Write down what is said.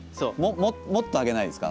もっと上げないですか？